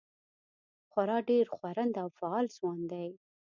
خورا ډېر ښورنده او فعال ځوان دی.